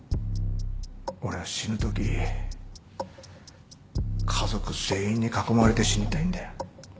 俺は死ぬとき家族全員に囲まれて死にたいんだよ。